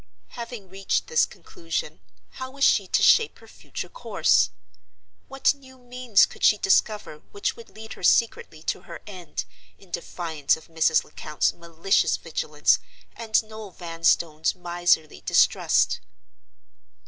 Having reached this conclusion, how was she to shape her future course? What new means could she discover which would lead her secretly to her end, in defiance of Mrs. Lecount's malicious vigilance and Noel Vanstone's miserly distrust?